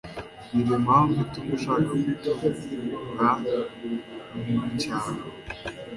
Mbwira impamvu ituma ushaka gutura mu cyaro.